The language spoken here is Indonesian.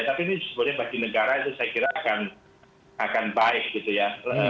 tapi ini sebenarnya bagi negara itu saya kira akan baik gitu ya